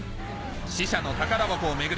死者の宝箱を巡り